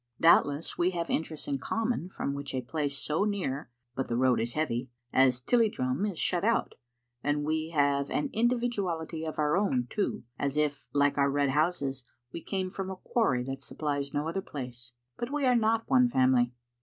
Doubtless we have interests in common, from which a place so near (but the road is heavy) as Tilliedrum is shut out, and we have an individuality of our own too, as if, like our red houses, we came from a quarry that supplies no other place. But we are not one family.